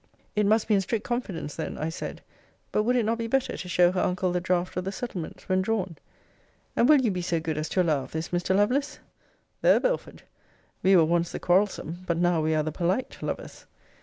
It must be in strict confidence then, I said. But would it not be better to show her uncle the draught of the settlements, when drawn? And will you be so good as to allow of this, Mr. Lovelace? There, Belford! We were once the quarrelsome, but now we are the polite, lovers.